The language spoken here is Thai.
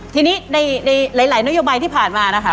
ทีนี้ในหลายนโยบายที่ผ่านมานะคะ